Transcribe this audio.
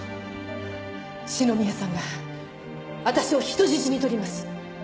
四宮さんが私を人質に取ります。